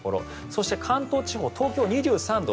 そして関東地方東京は２３度。